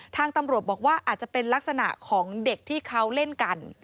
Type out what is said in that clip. ทางตำรวจบอกว่าอาจจะเป็นลักษณะของเด็กที่เขาเล่นกัน